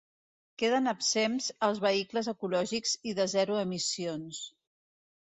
Queden exempts els vehicles ecològics i de zero emissions.